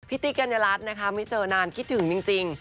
ติ๊กกัญญรัฐนะคะไม่เจอนานคิดถึงจริง